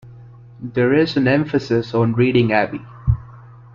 There is an emphasis on Reading Abbey.